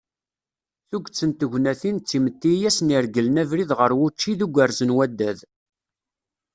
Tuget n tegnatin d timetti i asen-iregglen abrid ɣer wučči d ugerrez n waddad.